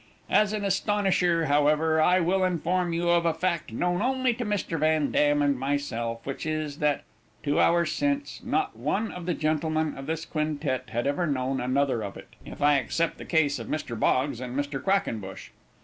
As an astonisher, however, I will inform you of a fact known only to Mr. Van Dam and myself; and which is, that, two hours since, not one of the gentlemen of this quintet had ever known another of it; if I except the case of Mr. Boggs and Mr. Quackenbush."